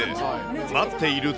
待っていると。